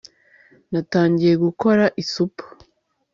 Natangiye gukora isupu